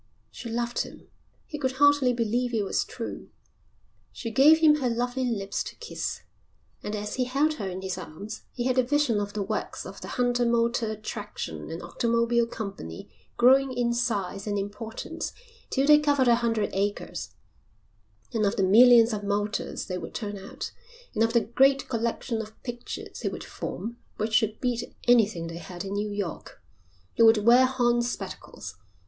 She loved him. He could hardly believe it was true. She gave him her lovely lips to kiss. And as he held her in his arms he had a vision of the works of the Hunter Motor Traction and Automobile Company growing in size and importance till they covered a hundred acres, and of the millions of motors they would turn out, and of the great collection of pictures he would form which should beat anything they had in New York. He would wear horn spectacles.